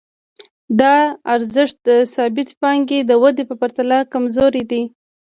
دا ارزښت د ثابتې پانګې د ودې په پرتله کمزوری دی